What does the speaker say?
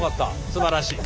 すばらしい。